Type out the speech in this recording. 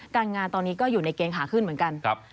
การงานตอนนี้ก็อยู่ในเกณฑ์ขาขึ้นเหมือนกัน